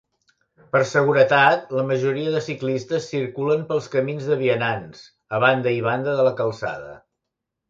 Per seguretat, la majoria de ciclistes circulen pels camins de vianants, a banda i banda de la calçada.